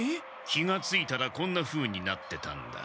気がついたらこんなふうになってたんだ。